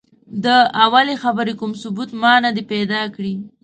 د اولې خبرې کوم ثبوت ما نه دی پیدا کړی.